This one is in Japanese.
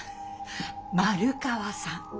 丸川さん。